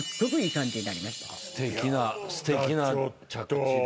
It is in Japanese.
すてきなすてきな着地で。